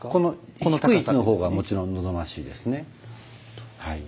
この低い位置の方がもちろん望ましいですねはい。